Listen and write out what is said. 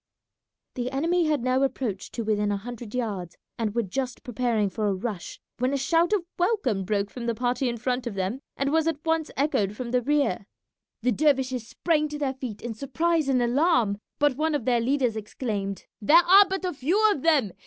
The enemy had now approached to within a hundred yards, and were just preparing for a rush when a shout of welcome broke from the party in front of them and was at once echoed from the rear. The dervishes sprang to their feet in surprise and alarm, but one of their leaders exclaimed, "There are but a few of them!